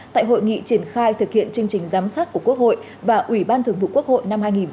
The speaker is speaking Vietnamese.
tại hội nghị triển khai thực hiện chương trình giám sát của quốc hội và ủy ban thường vụ quốc hội